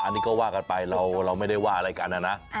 อันนี้ก็ว่ากันไปเราไม่ได้ว่าอะไรกันนะนะ